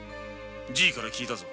じいから聞いたぞ。